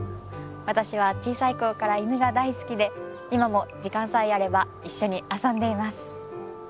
私は小さい頃から犬が大好きで今も時間さえあれば一緒に遊んでいます。